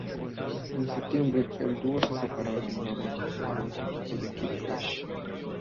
En septiembre, el dúo se separó y Nova formó otro equipo con Kid Kash.